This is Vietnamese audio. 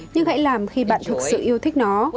nhưng hãy làm khi bạn thực sự yêu thích nó